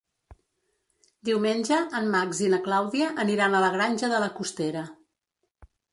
Diumenge en Max i na Clàudia aniran a la Granja de la Costera.